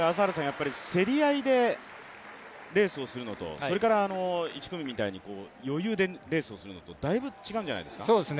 競り合いでレースをするのとそれから１組みたいに、余裕でレースをするのとだいぶ違うんじゃないですか？